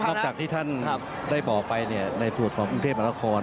จากที่ท่านได้บอกไปในส่วนของกรุงเทพมหานคร